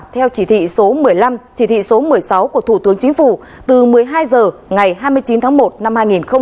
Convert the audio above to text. theo chỉ thị số một mươi năm chỉ thị số một mươi sáu của thủ tướng chính phủ từ một mươi hai h ngày hai mươi chín tháng một năm hai nghìn hai mươi